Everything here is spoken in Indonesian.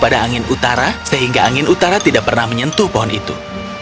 pada angin utara sehingga angin utara tidak pernah menyentuh pohon itu